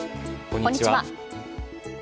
こんにちは。